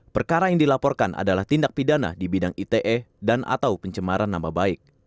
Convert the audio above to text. perkara yang dilaporkan adalah tindak pidana di bidang ite dan atau pencemaran nama baik